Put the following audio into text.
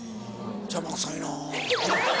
邪魔くさいな。